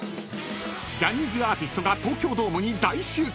［ジャニーズアーティストが東京ドームに大集結］